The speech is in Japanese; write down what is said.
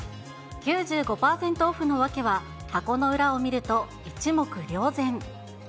９５％オフの訳は、箱の裏を見ると一目瞭然。